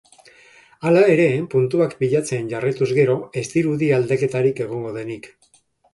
Hala ere, puntuak pilatzen jarraituz gero ez dirudi aldaketarik egongo denik.